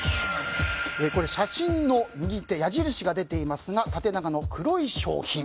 写真の右手、矢印が出ていますが縦長の黒い商品。